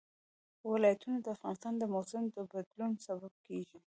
ولایتونه د افغانستان د موسم د بدلون سبب کېږي.